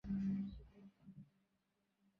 কোন সাহায্য লাগবে?